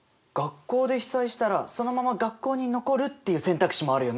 学校で被災したらそのまま学校に残るっていう選択肢もあるよね。